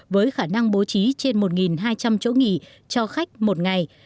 với khả năng bố trí trên một hai trăm linh chỗ nghỉ cho khách một ngày